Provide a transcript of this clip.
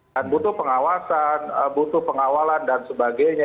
dan butuh pengawasan butuh pengawalan dan sebagainya